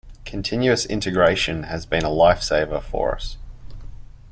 Continuous Integration has been a lifesaver for us.